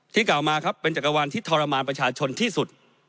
กล่าวมาครับเป็นจักรวาลที่ทรมานประชาชนที่สุด